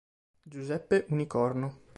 Giuseppe Unicorno